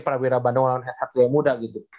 prawira bandung lawan satria muda gitu